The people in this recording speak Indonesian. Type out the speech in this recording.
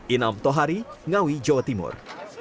inam tohari ngawi jawa timur